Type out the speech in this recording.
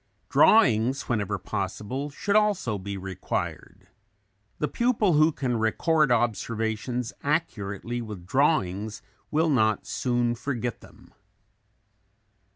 Drawings, whenever possible, should also be required. The pupil who can record observations accurately with drawings will not soon forget them.